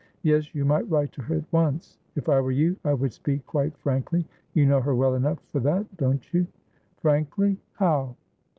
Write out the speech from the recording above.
Yes, you might write to her at once. If I were you, I would speak quite frankly. You know her well enough for that, don't you?" "Frankly? How?"